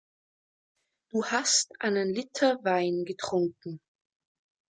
Du hast einen Liter Wein getrunken.